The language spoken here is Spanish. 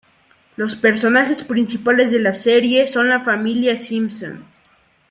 Los personajes principales de la serie son la familia Simpson.